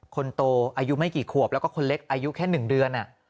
คนโตอายุไม่กี่ขวบแล้วก็คนเล็กอายุแค่๑เดือน